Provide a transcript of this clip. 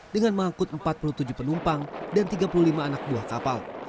dengan mengangkut empat puluh tujuh penumpang dan tiga puluh lima anak buah kapal